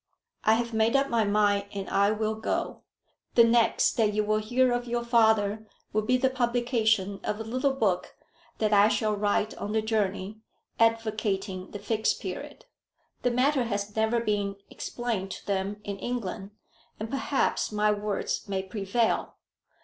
I have made up my mind, and I will go. The next that you will hear of your father will be the publication of a little book that I shall write on the journey, advocating the Fixed Period. The matter has never been explained to them in England, and perhaps my words may prevail."